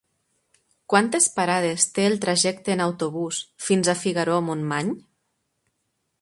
Quantes parades té el trajecte en autobús fins a Figaró-Montmany?